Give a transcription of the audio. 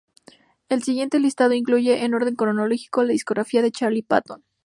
El siguiente listado incluye, en orden cronológico, la discografía de Charlie Patton.